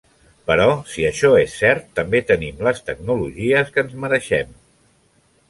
Però si això és cert, també tenim les tecnologies que ens mereixem.